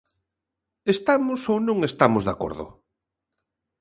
¿Estamos ou non estamos de acordo?